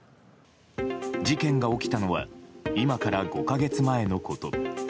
事件が起きたのは今から５か月前のこと。